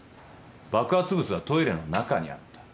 爆発物はトイレの中にあった。